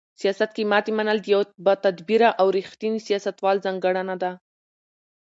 سیاست کې ماتې منل د یو باتدبیره او رښتیني سیاستوال ځانګړنه ده.